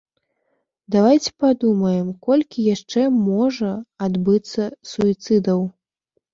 Давайце падумаем, колькі яшчэ можа адбыцца суіцыдаў.